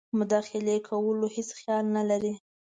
مداخلې کولو هیڅ خیال نه لري.